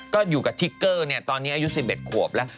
ก็อยู่กับทิกเกอร์ตอนนี้อายุ๑๑ขวบแล้ว